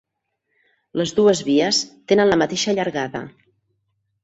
Les dues vies tenen la mateixa llargada.